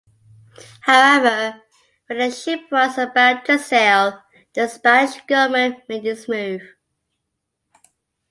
However, when the ship was about to sail, the Spanish government made its move.